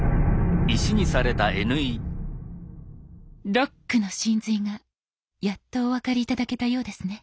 ロックの神髄がやっとお分かり頂けたようですね。